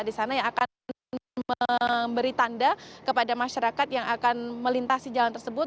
di sana yang akan memberi tanda kepada masyarakat yang akan melintasi jalan tersebut